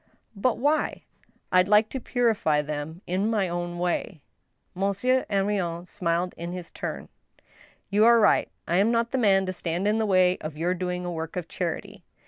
"But why?" " rd like to purify them in my own way." Monsieur Henrion smiled in his turn. "You are right. I'm not the man to stand in the way of your doing a work of charity."